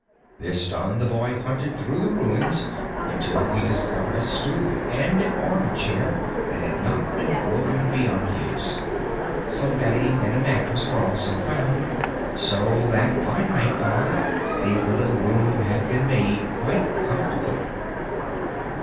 This done, the boy hunted through the ruins until he discovered a stool and an armchair that had not been broken beyond use. Some bedding and a mattress were also found, so that by nightfall the little room had been made quite comfortable.